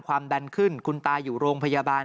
ความดันขึ้นคุณตาอยู่โรงพยาบาล